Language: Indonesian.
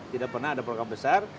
tidak pernah ada program besar